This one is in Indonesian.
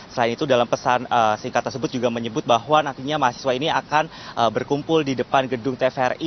selain itu dalam pesan singkat tersebut juga menyebut bahwa nantinya mahasiswa ini akan berkumpul di depan gedung tvri